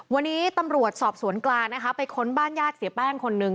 วันนี้ตำรวจสอบสวนกลางนะคะไปค้นบ้านญาติเสียแป้งคนหนึ่ง